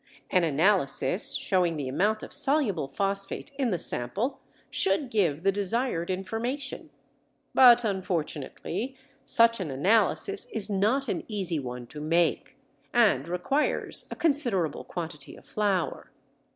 An analysis showing the amount of soluble phosphate in the sample should give the desired information. But unfortunately such an analysis is not an easy one to make, and requires a considerable quantity of flour.